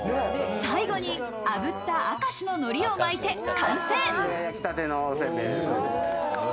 最後にあぶった明石の海苔を巻いて完成。